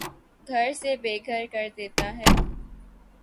گھر سے بے گھر کر دیتا ہے